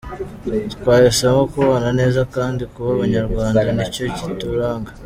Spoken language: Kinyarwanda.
Twahisemo kubana neza kandi kuba Abanyarwanda nicyo kituranga.